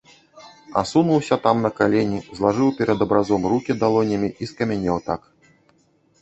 Асунуўся там на калені, злажыў перад абразом рукі далонямі і скамянеў так.